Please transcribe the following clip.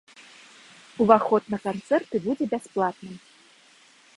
Уваход на канцэрты будзе бясплатным.